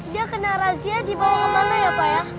dia kena razia dibawa kemana ya pak ya